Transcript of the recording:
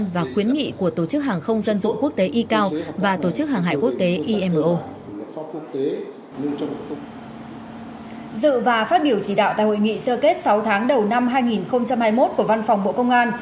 dự và phát biểu chỉ đạo tại hội nghị sơ kết sáu tháng đầu năm hai nghìn hai mươi một của văn phòng bộ công an